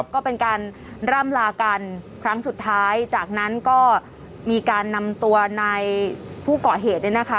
ก็เป็นการร่ำลากันครั้งสุดท้ายจากนั้นก็มีการนำตัวในผู้เกาะเหตุเนี่ยนะคะ